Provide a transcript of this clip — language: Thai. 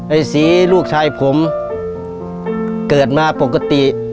ไอ้ศรีลูกชายผมเกิดมาปกติ